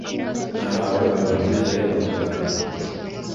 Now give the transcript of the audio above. Nahawe amabwiriza areba Muganga